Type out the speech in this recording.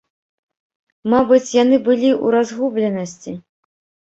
Мабыць, яны былі ў разгубленасці.